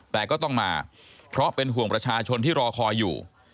แต่ก็ต้องมาเพราะเป็นห่วงประชาชนที่รอคอยอยู่